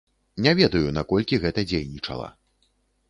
Не ведаю, наколькі гэта дзейнічала.